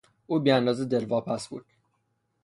او بی اندازه دلواپس بود.